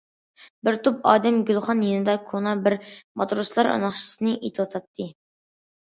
بىر توپ ئادەم گۈلخان يېنىدا كونا بىر ماتروسلار ناخشىسىنى ئېيتىۋاتاتتى.